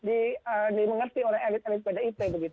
dimengerti oleh elit elit pdip begitu